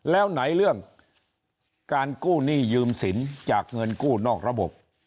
แล้วไหนเรื่องการกู้หนี้ยืมสินจากเงินกู้นอกระบบ